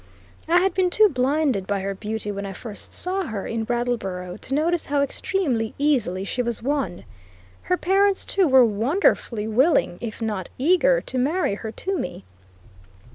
I had been too blinded by her beauty when I first saw her in Brattleboro, to notice how extremely easily she was won. Her parents, too, were wonderfully willing, if not eager, to marry her to me.